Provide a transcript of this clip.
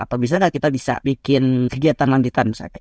atau bisa nggak kita bisa bikin kegiatan lanjutan misalnya